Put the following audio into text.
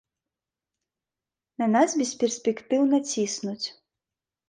На нас бесперспектыўна ціснуць.